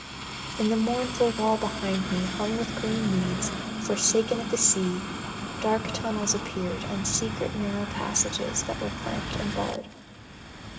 In the mournful wall behind me, hung with green weeds, forsaken of the sea, dark tunnels appeared, and secret narrow passages that were clamped and barred.